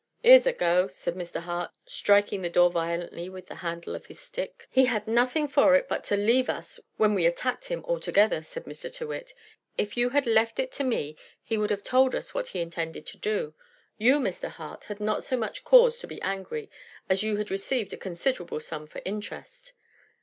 "'Ere's a go!" said Mr. Hart, striking the door violently with the handle of his stick. "He had nothing for it but to leave us when we attacked him altogether," said Mr. Tyrrwhit. "If you had left it to me he would have told us what he intended to do. You, Mr. Hart, had not so much cause to be angry, as you had received a considerable sum for interest."